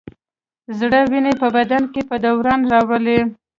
زړه وینه په بدن کې په دوران راولي.